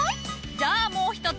じゃあもう一つ。